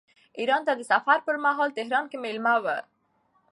ایران ته د سفر پرمهال تهران کې مېلمه و.